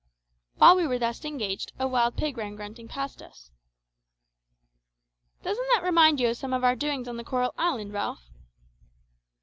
While we were thus engaged a wild pig ran grunting past us. "Doesn't that remind you of some of our doings on the coral island, Ralph?"